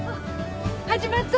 始まっぞ！